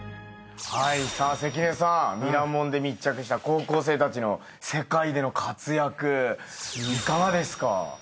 さあ関根さん『ミラモン』で密着した高校生たちの世界での活躍いかがですか？